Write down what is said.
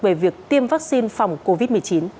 về việc tiêm vaccine phòng covid một mươi chín